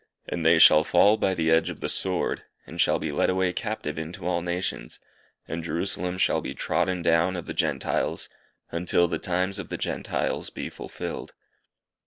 And they shall fall by the edge of the sword, and shall be led away captive into all nations: and Jerusalem shall be trodden down of the Gentiles, until the times of the Gentiles be fulfilled_."